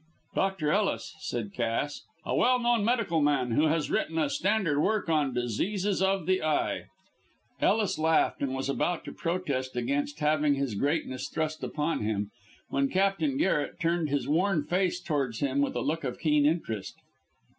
"Dr. Ellis," said Cass; "a well known medical man, who has written a standard work on 'Diseases of the Eye.'" Ellis laughed, and was about to protest against having this greatness thrust upon him, when Captain Garret turned his worn face towards him with a look of keen interest.